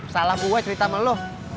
salah gue cerita sama lo